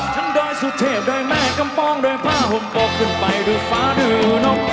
ทั้งด้อยสุเทศด้อยแม่กำป้องด้อยผ้าห่มปกขึ้นไปด้วยฟ้าหนึ่ง